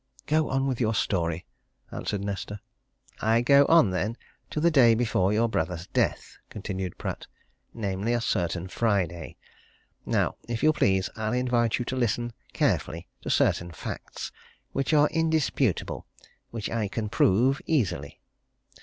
"Go on with your story," answered Nesta. "I go on, then, to the day before your brother's death," continued Pratt. "Namely, a certain Friday. Now, if you please, I'll invite you to listen carefully to certain facts which are indisputable, which I can prove, easily.